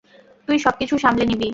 তুই সবকিছু সামলে নিবি।